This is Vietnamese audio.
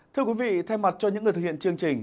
thưa quý vị thay mặt cho những người thực hiện chương trình